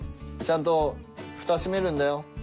ちゃんとフタ閉めるんだよ。